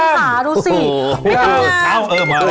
อ้าวมาแล้ว